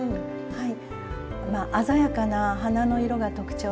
はい！